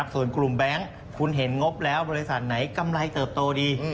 ส่วนกลุ่มแบงค์คุณเห็นงบแล้วบริษัทไหนกำไรเติบโตดี